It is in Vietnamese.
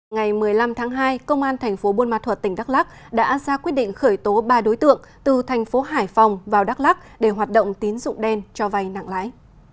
ngày một mươi năm tháng hai công an thành phố buôn ma thuật tỉnh đắk lắc đã ra quyết định khởi tố ba đối tượng từ thành phố hải phòng vào đắk lắc để hoạt động tín dụng đen cho vay nặng lãi